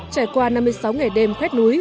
trải qua năm mươi sáu ngày đêm khuét núi